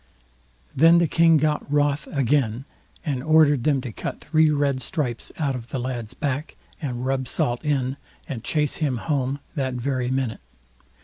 Then the King got wroth again, and ordered them to cut three red stripes out of the lad's back, and rub salt in, and chase him home that very minute.